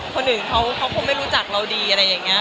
คนอื่นเขาคงไม่รู้จักเราดีอะไรอย่างนี้